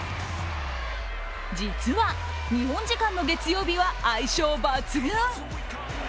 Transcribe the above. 実は日本時間の月曜日は相性抜群。